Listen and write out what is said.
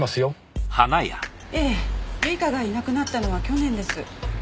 唯香がいなくなったのは去年です。